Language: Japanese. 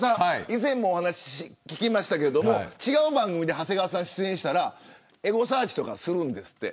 以前もお話聞きましたけど違う番組で長谷川さん出演したらエゴサーチとかするんですって。